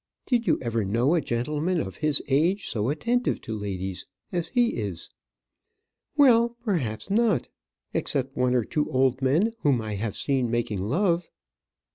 Did you ever know a gentleman of his age so attentive to ladies as he is?" "Well, perhaps not; except one or two old men whom I have seen making love."